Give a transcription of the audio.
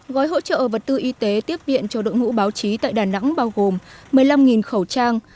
gói hỗ trợ vật tư y tế tiếp viện cho đội ngũ báo chí tại đà nẵng bao gồm một mươi năm khẩu trang